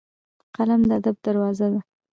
قلم د ادب دروازه ده